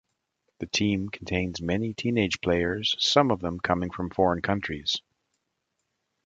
The team contains many teenage players, some of them coming from foreign countries.